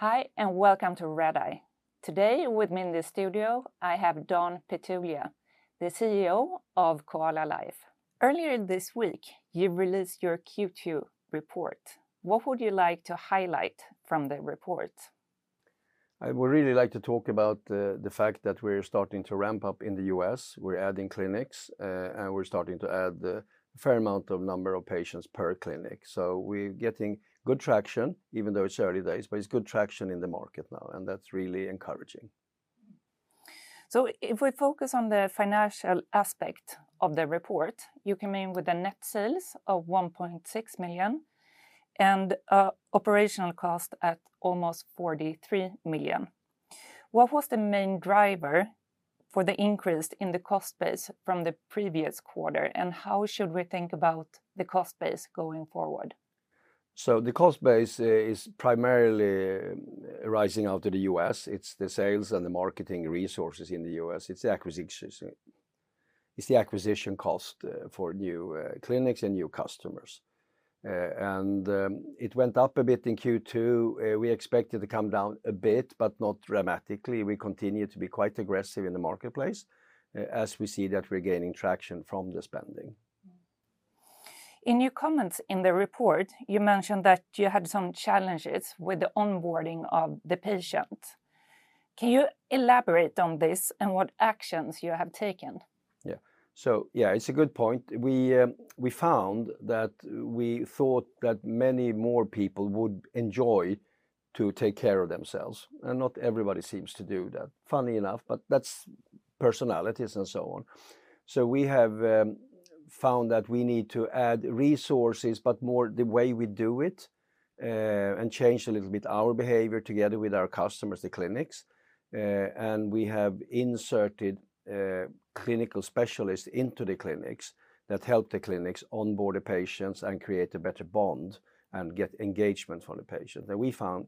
H`i, and welcome to Redeye. Today with me in the studio, I have Dan Pitulia, the CEO of Coala-life Group. Earlier this week, you released your Q2 report. What would you like to highlight from the report? I would really like to talk about the fact that we're starting to ramp up in the U.S. We're adding clinics, and we're starting to add a fair amount of number of patients per clinic. We're getting good traction even though it's early days, but it's good traction in the market now, and that's really encouraging. If we focus on the financial aspect of the report, you came in with the net sales of 1.6 million and operational cost at almost 43 million. What was the main driver for the increase in the cost base from the previous quarter, and how should we think about the cost base going forward? The cost base is primarily rising out of the U.S. It's the sales and the marketing resources in the U.S. It's the acquisitions. It's the acquisition cost for new clinics and new customers. It went up a bit in Q2. We expect it to come down a bit, but not dramatically. We continue to be quite aggressive in the marketplace as we see that we're gaining traction from the spending. In your comments in the report, you mentioned that you had some challenges with the onboarding of the patient. Can you elaborate on this and what actions you have taken? Yeah. Yeah, it's a good point. We found that we thought that many more people would enjoy to take care of themselves, and not everybody seems to do that, funnily enough, but that's personalities and so on. We have found that we need to add resources, but more the way we do it, and change a little bit our behavior together with our customers, the clinics. We have inserted clinical specialists into the clinics that help the clinics onboard the patients and create a better bond and get engagement from the patient. That we found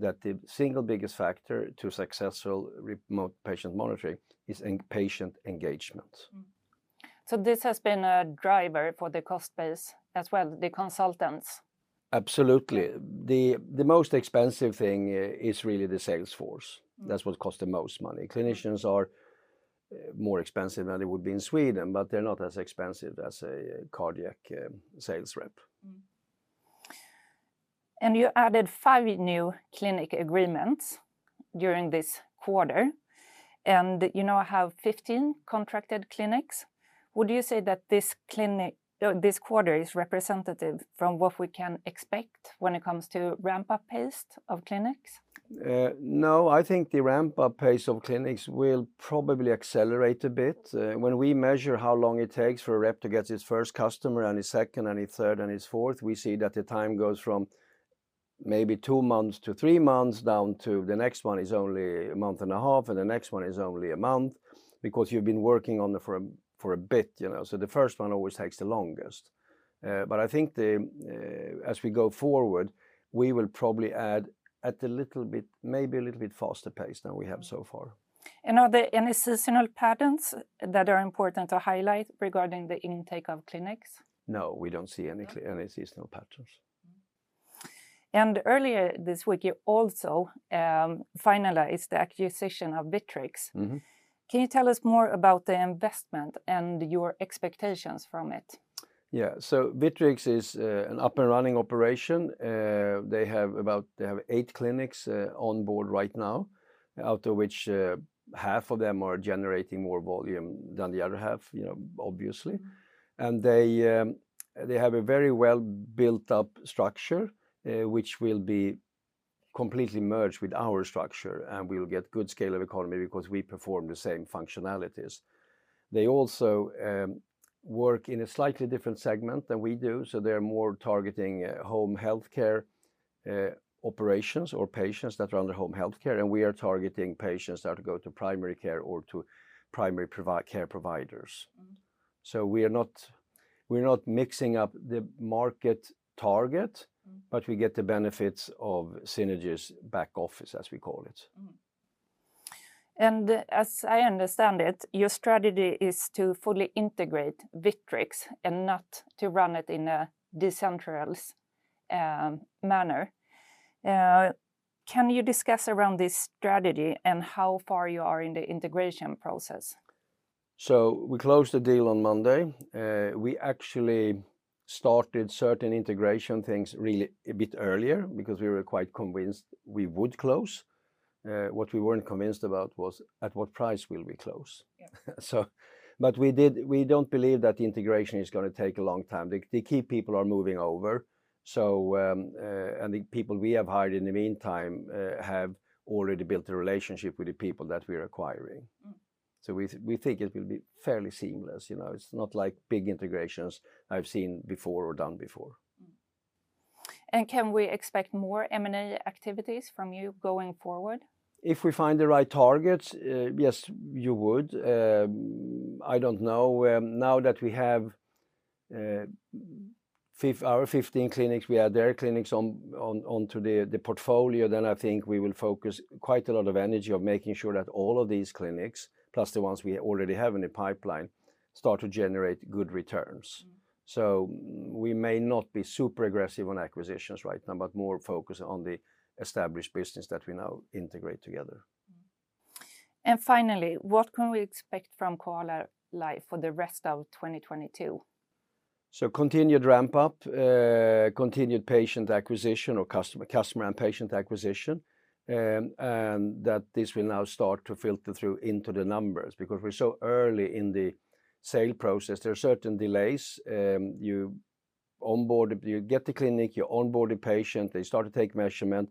that the single biggest factor to successful remote patient monitoring is patient engagement. This has been a driver for the cost base as well, the consultants. Absolutely. The most expensive thing is really the sales force. That's what costs the most money. Clinicians are more expensive than they would be in Sweden, but they're not as expensive as a cardiac sales rep. You added five new clinic agreements during this quarter, and you now have 15 contracted clinics. Would you say that this quarter is representative from what we can expect when it comes to ramp-up pace of clinics? No, I think the ramp-up pace of clinics will probably accelerate a bit. When we measure how long it takes for a rep to get his first customer and his second and his third and his fourth, we see that the time goes from maybe two months to three months down to the next one is only a month and a half, and the next one is only a month because you've been working on it for a bit, you know. The first one always takes the longest. I think as we go forward, we will probably add at a little bit, maybe a little bit faster pace than we have so far. Are there any seasonal patterns that are important to highlight regarding the intake of clinics? No, we don't see any seasonal patterns. Earlier this week, you also finalized the acquisition of Vitrics. Mm-hmm. Can you tell us more about the investment and your expectations from it? Yeah. Vitrics is an up-and-running operation. They have eight clinics on board right now, out of which half of them are generating more volume than the other half, you know, obviously. They have a very well built-up structure, which will be completely merged with our structure, and we'll get good economies of scale because we perform the same functionalities. They also work in a slightly different segment than we do, so they're more targeting home healthcare operations or patients that are under home healthcare, and we are targeting patients that go to primary care or to primary care providers. We are not mixing up the market target. Mm. We get the benefits of synergies back office, as we call it. As I understand it, your strategy is to fully integrate Vitrics and not to run it in a decentralized manner. Can you discuss around this strategy and how far you are in the integration process? We closed the deal on Monday. We actually started certain integration things really a bit earlier because we were quite convinced we would close. What we weren't convinced about was at what price will we close. Yeah. We don't believe that the integration is gonna take a long time. The key people are moving over, and the people we have hired in the meantime have already built a relationship with the people that we're acquiring. Mm. We think it will be fairly seamless. You know, it's not like big integrations I've seen before or done before. Can we expect more M&A activities from you going forward? If we find the right targets, yes, you would. I don't know. Now that we have our 15 clinics, we add their clinics onto the portfolio, then I think we will focus quite a lot of energy on making sure that all of these clinics, plus the ones we already have in the pipeline, start to generate good returns. Mm. We may not be super aggressive on acquisitions right now, but more focused on the established business that we now integrate together. Finally, what can we expect from Coala-life Group for the rest of 2022? Continued ramp-up, continued patient acquisition or customer and patient acquisition, and that this will now start to filter through into the numbers. Because we're so early in the sale process, there are certain delays. You onboard, you get the clinic, you onboard a patient, they start to take measurement,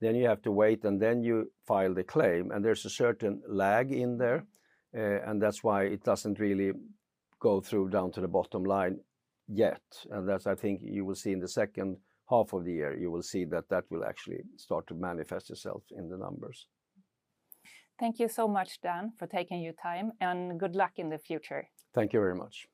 then you have to wait, and then you file the claim, and there's a certain lag in there, and that's why it doesn't really go through down to the bottom line yet. That's, I think you will see in the second half of the year, you will see that that will actually start to manifest itself in the numbers. Thank you so much, Dan, for taking your time, and good luck in the future. Thank you very much.